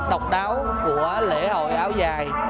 đặc đáo của lễ hội áo dài